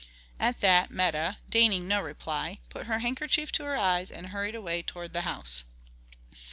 At that Meta, deigning no reply, put her handkerchief to her eyes and hurried away toward the house.